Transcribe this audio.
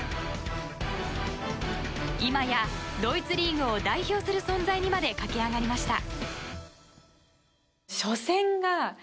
今や、ドイツリーグを代表する存在にまで駆け上がりました。